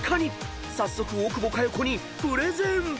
［早速大久保佳代子にプレゼン！］